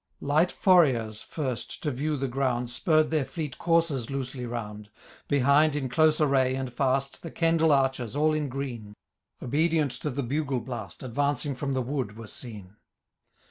Light forayers, first, to view the ground. Spurred their fleet coursers loosely round ; Behind, in close array, and fert. The Kendal archers, all in green. Obedient to the bugle blast. Advancing from the wood were seen.